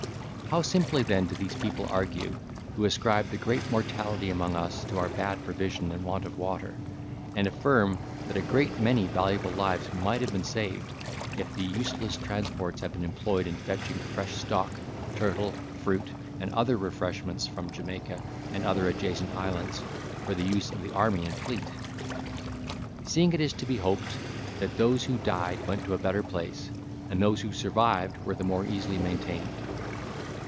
How simply then do those people argue, who ascribe the great mortality among us, to our bad provision and want of water; and affirm, that a great many valuable lives might have been saved, if the useless transports had been employed in fetching fresh stock, turtle, fruit, and other refreshments from Jamaica and other adjacent islands, for the use of the army and fleet! seeing it is to be hoped, that those who died went to a better place, and those who survived were the more easily maintained.